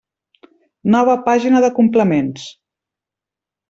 Nova pàgina de complements.